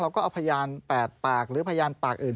ก็เอาพยาน๘ปากหรือพยานปากอื่น